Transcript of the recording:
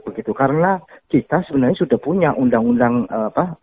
karena kita sebenarnya sudah punya undang undang apa